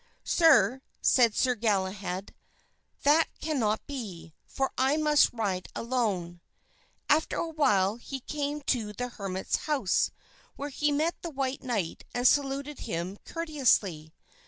"Sir," said Sir Galahad, "that cannot be, for I must ride alone." After awhile he came to the hermit's house, where he met the white knight and saluted him courteously.